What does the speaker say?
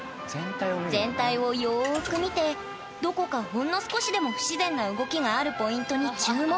全体をよく見てどこかほんの少しでも不自然な動きがあるポイントに注目！